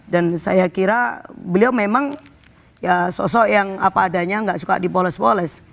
dan saya kira beliau memang sosok yang apa adanya nggak suka dipoles poles